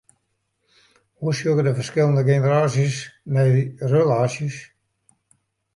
Hoe sjogge de ferskillende generaasjes nei relaasjes?